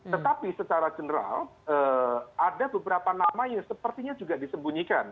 tetapi secara general ada beberapa nama yang sepertinya juga disembunyikan